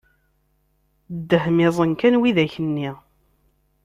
Dehmiẓen kan widak nni!